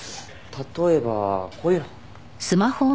例えばこういうの。